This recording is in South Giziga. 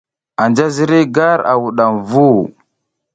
Anja ziriy gar a wudam vu.